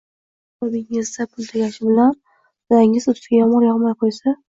Hisobingizda pul tugashi bilan dalangiz ustiga yomg‘ir yog‘may qo‘ysa